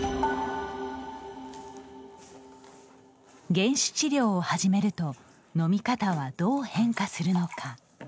減酒治療を始めると飲み方はどう変化するのか？